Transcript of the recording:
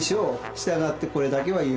従ってこれだけは言えます。